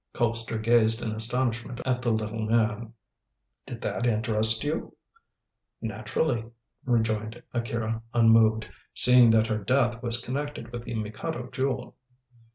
Colpster gazed in astonishment at the little man. "Did that interest you?" "Naturally," rejoined Akira, unmoved, "seeing that her death was connected with the Mikado Jewel."